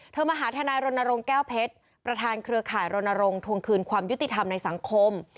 มาหาทนายรณรงค์แก้วเพชรประธานเครือข่ายรณรงควงคืนความยุติธรรมในสังคม